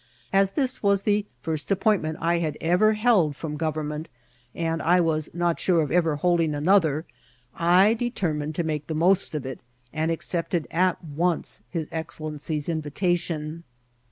As this was the first ap pointment I had* ever held firom government, and I was not sure of ever holding another, I determined to make the most of it, and accepted at once his excellency's invitation.